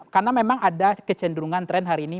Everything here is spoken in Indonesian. karena memang ada kecenderungan tren hari ini